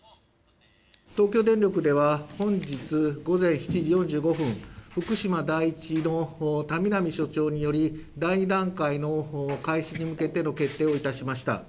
東京電力では本日午前７時４５分、福島第一のたみなみ所長により第２段階の開始に向けての決定をいたしました。